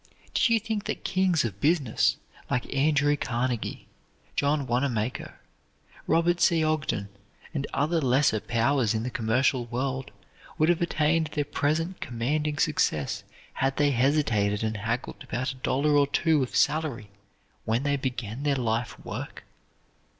Do you think that kings of business like Andrew Carnegie, John Wanamaker, Robert C. Ogden, and other lesser powers in the commercial world would have attained their present commanding success had they hesitated and haggled about a dollar or two of salary when they began their life work?